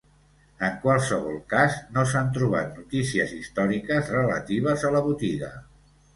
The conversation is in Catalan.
En qualsevol cas, no s'han trobat notícies històriques relatives a la botiga.